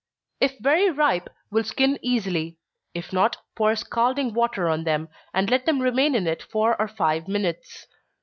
_ If very ripe will skin easily; if not, pour scalding water on them, and let them remain in it four or five minutes.